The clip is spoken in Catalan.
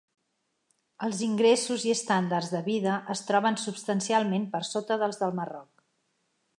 Els ingressos i estàndards de vida es troben substancialment per sota dels del Marroc.